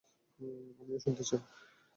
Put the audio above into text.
আমিও শুনতে চাই।